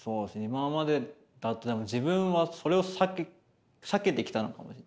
今までだと自分はそれを避けてきたのかもしれない。